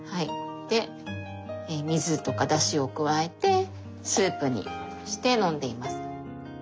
で水とかだしを加えてスープにして飲んでいます。